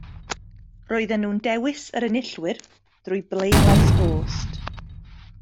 Roedden nhw'n dewis yr enillwyr drwy bleidlais bost.